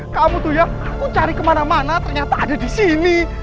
kamu tuh ya aku cari kemana mana ternyata ada di sini